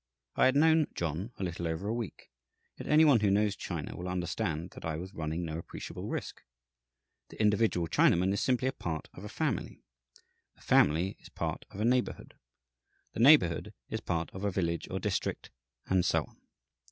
I had known John a little over a week; yet any one who knows China will understand that I was running no appreciable risk. The individual Chinaman is simply a part of a family, the family is part of a neighbourhood, the neighbourhood is part of a village or district, and so on.